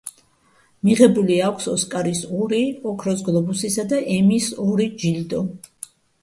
მიღებული აქვს ოსკარის ორი, ოქროს გლობუსისა და ემის ორი ჯილდო.